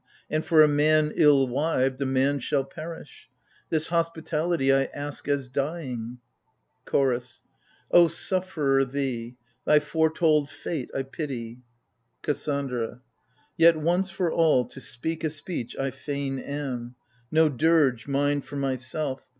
And, for a man ill wived, a man shall perish ! This hospitality I ask as dying. CHORDS. O sufferer, thee — thy foretold fate I pity. KASSANDRA. Yet once for all, to speak a speech, I fain am : No dirge, mine for myself